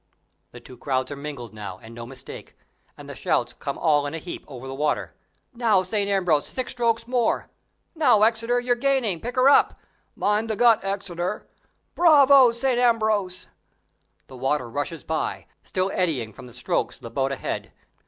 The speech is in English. The two crowds are mingled now, and no mistake; and the shouts come all in a heap over the water. "Now, St. Ambrose, six strokes more." "Now, Exeter, you're gaining; pick her up." "Mind the Gut, Exeter." "Bravo, St. Ambrose!" The water rushes by, still eddying from the strokes of the boat ahead.